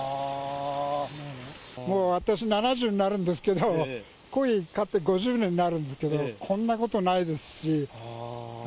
もう私、７０になるんですけど、コイ飼って５０年になるんですけど、こんなことないですし。